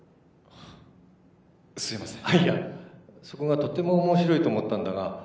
そこがとっても面白いと思ったんだが。